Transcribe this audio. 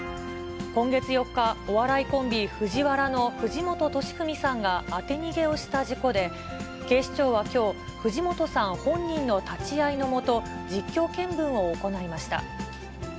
今月４日、お笑いコンビ、ＦＵＪＩＷＡＲＡの藤本敏史さんが、当て逃げをした事故で、警視庁はきょう、藤本さん本人の立ち会いの下、実況見分を行いました。